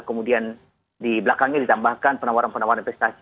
kemudian di belakangnya ditambahkan penawaran penawaran investasi